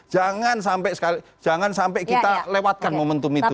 jangan sampai kita lewatkan momentum itu